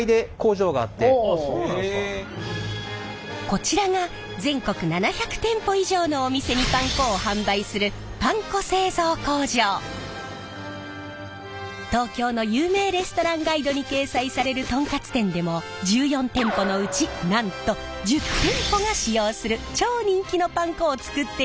こちらが全国７００店舗以上のお店にパン粉を販売する東京の有名レストランガイドに掲載されるトンカツ店でも１４店舗のうちなんと１０店舗が使用する超人気のパン粉を作っているんです！